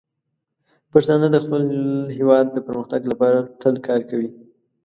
پښتانه د خپل هیواد د پرمختګ لپاره تل کار کوي.